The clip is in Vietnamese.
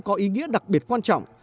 có ý nghĩa đặc biệt quan trọng